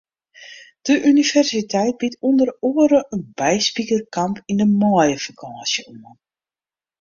De universiteit biedt ûnder oare in byspikerkamp yn de maaiefakânsje oan.